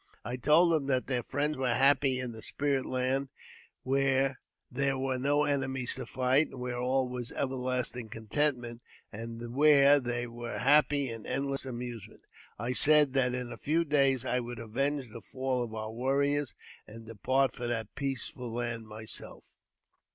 I told them that their friends were happy in the spirit land, where there were no enemies to fight, where all was everlasting contentment, •and where they were happy in endless amusement. I said that in a few days I would avenge the fall of our warriors, and depart for that peaceful land myself.